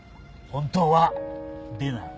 本当は出ない。